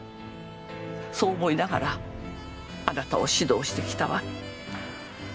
そう思いながらあなたを指導してきたわ。